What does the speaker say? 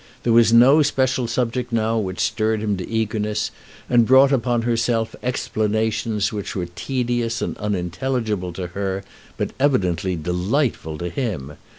There was no special subject now which stirred him to eagerness and brought upon herself explanations which were tedious and unintelligible to her, but evidently delightful to him.